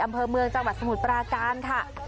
อำเภอเมืองจังหวัดสมุทรปราการค่ะ